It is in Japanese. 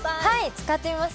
使ってみます。